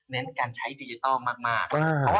เน้นการใช้ดิจิทัลมาก